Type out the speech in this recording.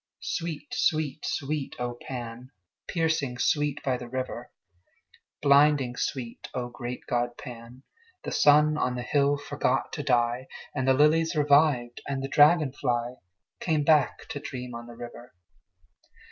Sweet, sweet, sweet, O Pan! Piercing sweet by the river! Blinding sweet, O great god Pan! The sun on the hill forgot to die, And the lilies revived, and the dragon fly Came back to dream on the river.